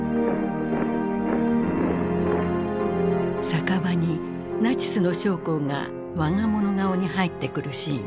酒場にナチスの将校が我が物顔に入ってくるシーン。